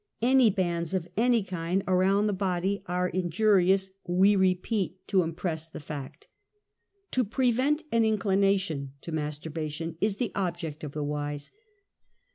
Any bands of any kind around the body are injurious we repeat to impress the fact. To prevent an inclination to masturbation is the object of the wise.